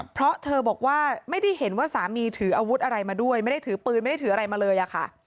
เพราะเธอบอกว่าไม่ได้เห็นว่าสามีถืออาวุธอะไรมาด้วยไม่ได้ถือปืนไม่ได้ถืออะไรมาเลยอะค่ะ